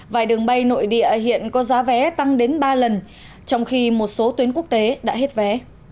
vài đường bay nội địa hiện có giá vé tăng đến ba lần trong khi một số tuyến quốc tế đã hết vé